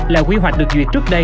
là quy hoạch được duyệt trước đây